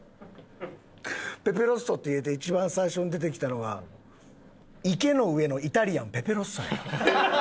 「ペペロッソ」って入れて一番最初に出てきたのが「池ノ上のイタリアンペペロッソ」や。